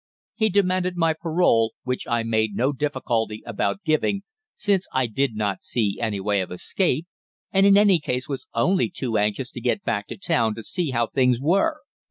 "He demanded my parole, which I made no difficulty about giving, since I did not see any way of escape, and in any case was only too anxious to get back to town to see how things were.